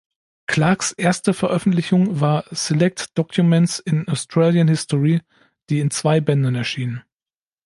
Clarks erste Veröffentlichung war "Select documents in Australian History", die in zwei Bänden erschien.